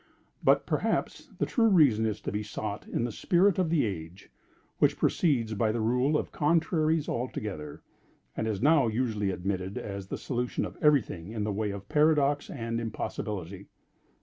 But, perhaps, the true reason is to be sought in the spirit of the age, which proceeds by the rule of contraries altogether, and is now usually admitted as the solution of every thing in the way of paradox and impossibility.